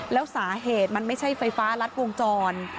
แล้วสาเหตุมันไม่ใช่ไฟฟ้ารัดวงจร